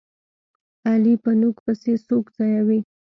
علي په نوک پسې سوک ځایوي.